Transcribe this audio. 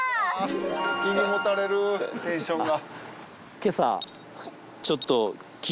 胃にもたれるテンションが。